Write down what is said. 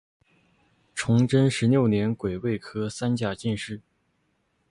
崇祯十六年癸未科三甲进士。